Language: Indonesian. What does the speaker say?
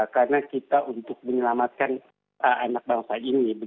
karena kita untuk menyelamatkan anak bangsa ini